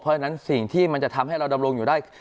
เพราะฉะนั้นสิ่งที่มันจะทำให้เราดำรงอยู่ได้